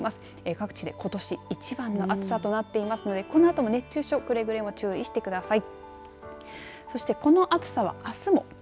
各地でことし一番の暑さとなっていますのでこのあとも熱中症くれぐれも注意してください。